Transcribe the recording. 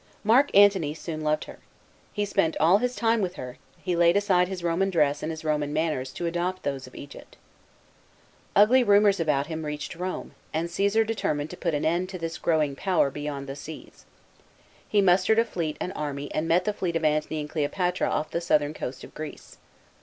Mark Antony soon loved her. He spent all his time with her, he laid aside his Roman dress and his Roman manners to adopt those of Egypt. Ugly rumours about him, reached Rome, and Co3sar determined to put an end, to this growing 196 DEATH OF CLEOPATRA. [B.C. 30. power, beyond the seas. He mustered a fleet and army and met the fleet of Antony and Cleopatra off the southern coast of Greece.